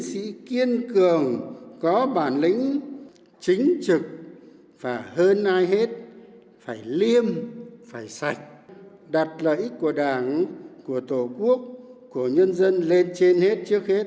sĩ kiên cường có bản lĩnh chính trực và hơn ai hết phải liêm phải sạch đặt lợi ích của đảng của tổ quốc của nhân dân lên trên hết trước hết